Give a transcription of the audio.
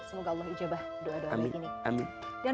semoga allah ijabah doa doa kita